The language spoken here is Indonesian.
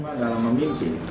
risma dalam mimpi